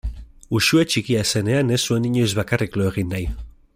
Uxue txikia zenean ez zuen inoiz bakarrik lo egin nahi.